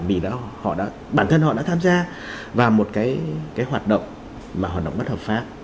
vì họ đã bản thân họ đã tham gia vào một cái hoạt động hoạt động bất hợp pháp